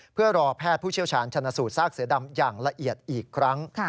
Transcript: เพื่อรอแพทย์ผู้เชี่ยวชาญชนะสูตรซากเสือดำอย่างละเอียดอีกครั้ง